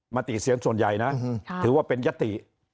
ติเสียงส่วนใหญ่นะถือว่าเป็นยติ